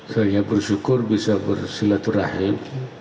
saya bersyukur bisa bersilaturahim